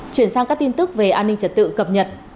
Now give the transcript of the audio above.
chuyển sang các tin tức về an ninh trật tự cập nhật